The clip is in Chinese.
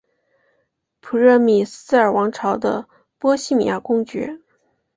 普热米斯尔王朝的波希米亚公爵。